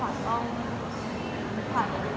มันไปเรื่องไหนมันไปเรื่องบ้าน